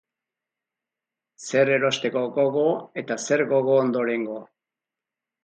Zer erosteko gogo eta zer gogo ondorengo!